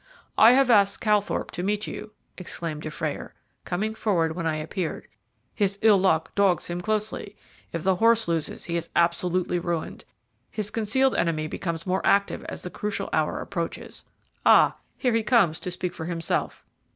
"I have asked Calthorpe to meet you," exclaimed Dufrayer, coming forward when I appeared; "his ill luck dogs him closely. If the horse loses, he is absolutely ruined. His concealed enemy becomes more active as the crucial hour approaches. Ah, here he comes to speak for himself."